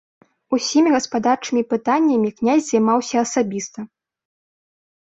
Усімі гаспадарчымі пытаннямі князь займаўся асабіста.